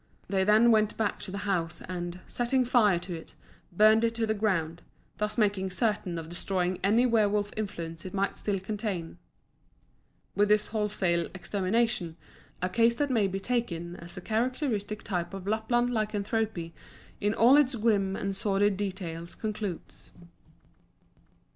They then went back to the house and, setting fire to it, burned it to the ground, thus making certain of destroying any werwolf influence it might still contain. With this wholesale extermination a case that may be taken as a characteristic type of Lapland lycanthropy in all its grim and sordid details concludes.